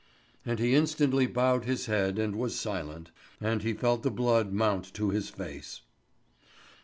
And he instantly bowed his head and was silent; and he felt the blood mount to his face.